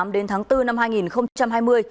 đến tháng bốn năm hai nghìn hai mươi